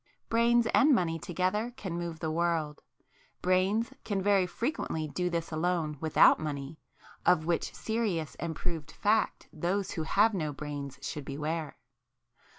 Brains and money together can move the world,—brains can very frequently do this alone without money, of which serious and proved fact those who have no brains should beware!